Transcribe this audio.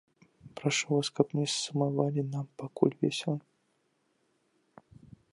Прашу вас, каб не сумавалі, нам пакуль весела.